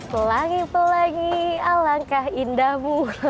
pelangi pelangi alangkah indahmu